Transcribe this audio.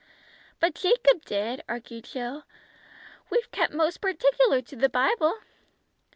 "But Jacob did," argued Jill. "We've kept most particular to the Bible."